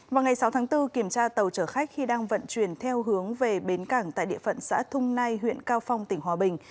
vào ngày sáu tháng bốn kiểm tra tàu chở khách khi đang vận chuyển theo hướng về bến cảng tại địa phận xã thung nai huyện cao phong tỉnh hòa bình